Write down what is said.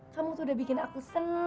kamu tuh udah bikin aku senang